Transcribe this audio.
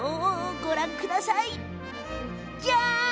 ご覧ください！